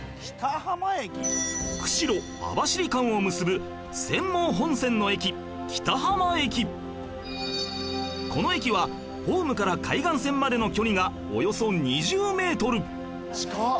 釧路網走間を結ぶこの駅はホームから海岸線までの距離がおよそ２０メートル近っ！